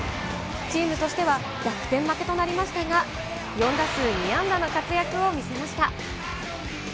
チームとしては逆転負けとなりましたが、４打数２安打の活躍を見せました。